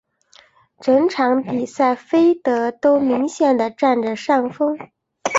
整场比赛菲德都明显的占着上风。